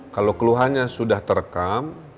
kalau keluhannya sudah terekam